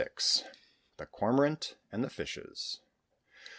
THE CORMORANT AND THE FISHES.